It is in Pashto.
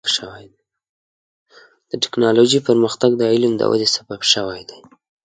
د ټکنالوجۍ پرمختګ د علم د ودې سبب شوی دی.